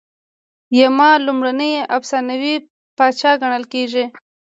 یما لومړنی افسانوي پاچا ګڼل کیږي